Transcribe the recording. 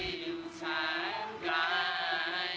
นั้นไม่อาจลืมเธอกลาย